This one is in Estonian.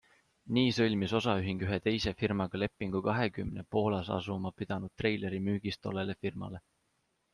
Nii sõlmis osaühing ühe teise firmaga lepingu kahekümne Poolas asuma pidanud treileri müügis tollele firmale.